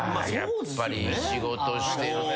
やっぱり仕事してるとさ。